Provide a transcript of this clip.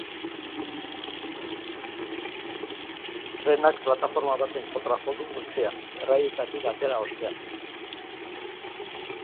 Trenak plataforma baten kontra jo du goizean, errailetatik atera ostean.